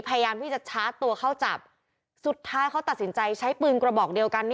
พยายามที่จะชาร์จตัวเข้าจับสุดท้ายเขาตัดสินใจใช้ปืนกระบอกเดียวกัน